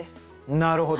なるほど。